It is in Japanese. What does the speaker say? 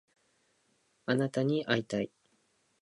あなたに会いたい